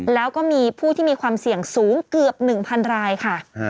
แล้วก็มีผู้ที่มีความเสี่ยงสูงเกือบ๑๐๐รายค่ะ